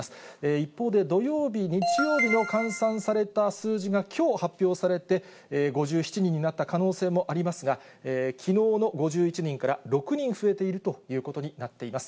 一方で、土曜日、日曜日の換算された数字がきょう発表されて、５７人になった可能性もありますが、きのうの５１人から６人増えているということになっています。